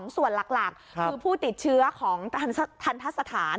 ส่วนหลักคือผู้ติดเชื้อของทันทะสถาน